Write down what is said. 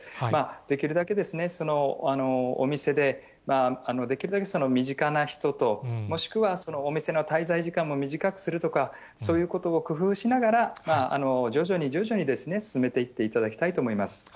できるだけお店で、できるだけ身近な人と、もしくはお店の滞在時間も短くするとか、そういうことを工夫ながら、徐々に徐々に進めていっていただきたいと思います。